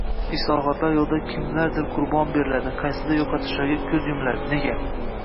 – islohotlar yo‘lida nimalardir qurbon beriladi, qaysidir yo‘qotishlarga ko‘z yumiladi. Nega?